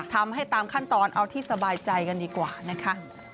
ทำให้ตามขั้นตอนเอาที่สบายใจกันดีกว่านะคะ